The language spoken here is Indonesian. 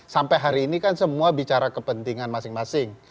sampai hari ini kan semua bicara kepentingan masing masing